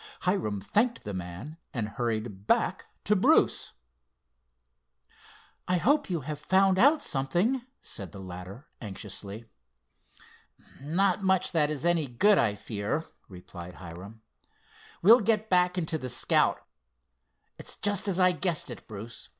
Hiram thanked the man, and hurried back to Bruce. "I hope you have found out something," said the latter anxiously. "Not much that is any good, I fear," replied Hiram. "We'll get back into the Scout. It's just as I guessed it, Bruce.